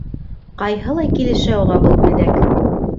Ҡайһылай килешә уға был күлдәк!